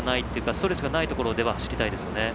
ストレスがないところで走りたいですね。